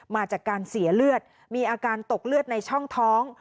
มาจากการเสียเลือดมีอาการตกเลือดในช่องท้อง